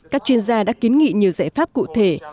các chuyên gia đã kiến nghị nhiều giải pháp cụ thể